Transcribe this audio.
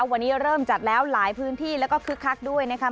วันนี้เริ่มจัดแล้วหลายพื้นที่แล้วก็คึกคักด้วยนะคะ